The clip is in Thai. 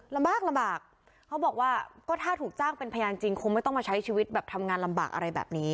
ลำบากลำบากเขาบอกว่าก็ถ้าถูกจ้างเป็นพยานจริงคงไม่ต้องมาใช้ชีวิตแบบทำงานลำบากอะไรแบบนี้